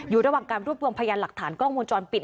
อยู่ระหว่างการรวบรวมพยานหลักฐานกล้องวงจรปิด